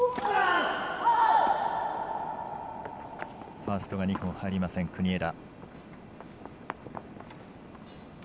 ファーストが２本入りません、国枝。